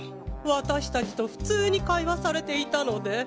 私たちと普通に会話されていたので。